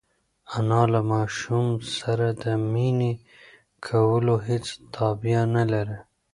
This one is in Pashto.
انا له ماشوم سره د مینې کولو هېڅ تابیا نهلري.